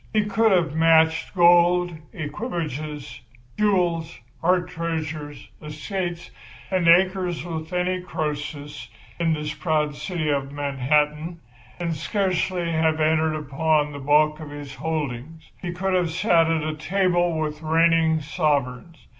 He could have matched gold, equipages, jewels, art treasures, estates and acres with any Croesus in this proud city of Manhattan, and scarcely have entered upon the bulk of his holdings. He could have sat at table with reigning sovereigns.